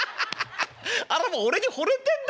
あらもう俺に惚れてんだよ。